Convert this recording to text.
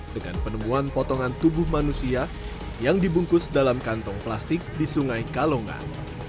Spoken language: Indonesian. dengan penemuan potongan tubuh manusia yang dibungkus dalam kantong plastik di sungai kalongan